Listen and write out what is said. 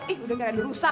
ih udah kira dirusak